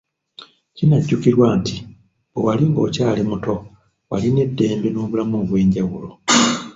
Kinajjukirwa nti bwe wali ng'okyali muto walina eddembe n'obulamu obw'enjawulo.